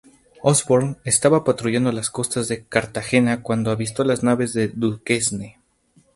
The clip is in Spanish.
Osborn estaba patrullando las costas de Cartagena cuando avistó las naves de Duquesne.